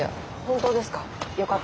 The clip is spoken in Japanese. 本当ですか。